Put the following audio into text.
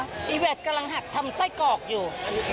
ไอแวสกำลังหักทำไท่กรอกอยู่